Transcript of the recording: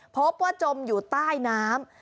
พบว่าจมอยู่ใต้น้ำ